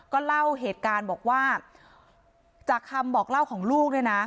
ก็เล่าเหตุการณ์บอกว่าจากคำบอกเล่าของลูกเนี่ยนะ